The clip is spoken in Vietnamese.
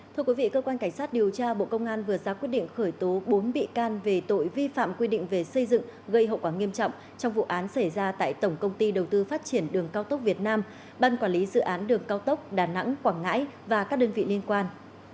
thưa quý vị cơ quan cảnh sát điều tra bộ công an vừa ra quyết định khởi tố bốn bị can về tội vi phạm quy định về xây dựng gây hậu quả nghiêm trọng trong vụ án xảy ra tại tổng công ty đầu tư phát triển đường cao tốc việt nam ban quản lý dự án đường cao tốc đà nẵng quảng ngãi và các đơn vị liên quan